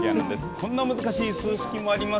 こんな難しい数式もあります。